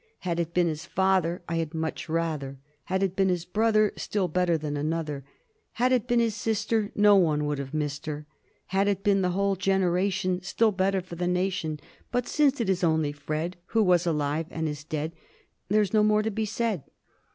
Had it been bis father, I had much rather; Had it been his brother. Still better than another; Had it been his sister, No one would have missed her ; Had it been the whole generation, Still better for the nation. But since it is only Fred, Who was alive and is dead, There^s no more to be said."